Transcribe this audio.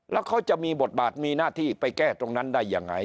แล้วเขาจะมีบทบาทมีหน้าที่ไปแก้ตรงนั้นได้ยังไง